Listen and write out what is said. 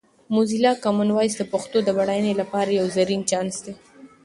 موزیلا کامن وایس د پښتو د بډاینې لپاره یو زرین چانس دی.